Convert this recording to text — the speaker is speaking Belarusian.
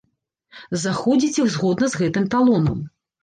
Заходзіце згодна з гэтым талонам.